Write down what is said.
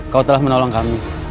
kau telah menolong kami